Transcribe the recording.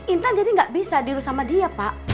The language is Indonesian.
intan jadi gak bisa dirus sama dia pak